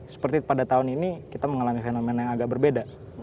seperti pada tahun ini kita mengalami fenomena yang agak berbeda